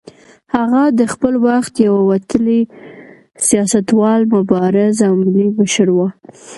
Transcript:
هغه د خپل وخت یو وتلی سیاستوال، مبارز او ملي مشر و.